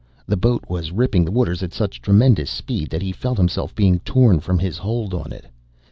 The boat was ripping the waters at such tremendous speed that he felt himself being torn from his hold on it.